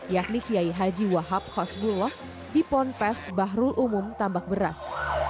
yakni kiai haji wahab hasbullah di ponpes bahrul umum tambak beras